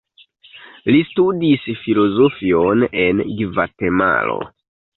Li studis filozofion en Gvatemalo.